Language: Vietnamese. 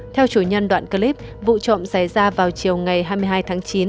theo chủ nhân đoạn clip vụ trộm xảy ra vào chiều ngày hai mươi hai tháng chín